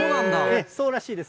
そうらしいです。